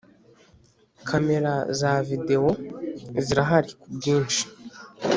Kamera za videwo zirahari kubwinshi